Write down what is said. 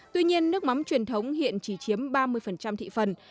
tuy nhiên nước mắm truyền thống hiện chỉ chiếm ba mươi thị phần